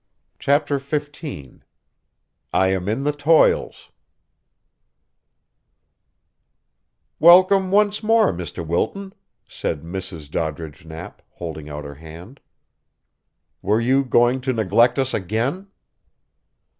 CHAPTER XV I AM IN THE TOILS "Welcome once more, Mr. Wilton," said Mrs. Doddridge Knapp, holding out her hand. "Were you going to neglect us again?"